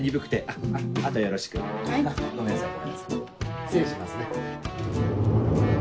失礼しますね。